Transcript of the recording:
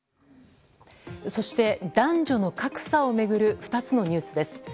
そして、男女の格差を巡る２つのニュースです。